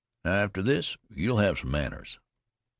"Now, after this you'll have some manners."